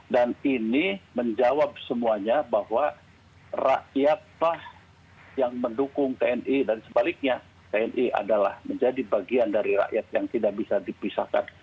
dan ini menjawab semuanya bahwa rakyatlah yang mendukung tni dan sebaliknya tni adalah menjadi bagian dari rakyat yang tidak bisa dipisahkan